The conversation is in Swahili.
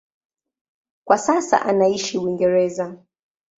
Kwa sasa anaishi Uingereza.